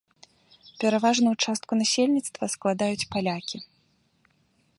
Пераважную частку насельніцтва складаюць палякі.